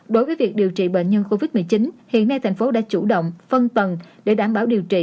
đối với việc điều trị bệnh nhân covid một mươi chín hiện nay thành phố đã chủ động phân tầng để đảm bảo điều trị